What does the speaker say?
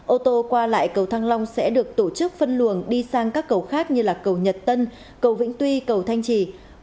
ô tô qua lại cầu thăng long sẽ được tổ chức phân luồng đi sang các cầu khác như cầu nhật tân cầu vĩnh tuy cầu thanh trì